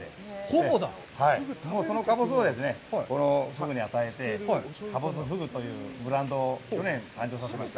このかぼすをですね、フグに与えて、かぼすフグというブランドを去年誕生させました。